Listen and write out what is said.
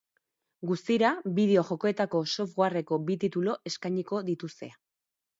Guztira bideo-jokoetako softwareko bi titulu eskainiko dituzte.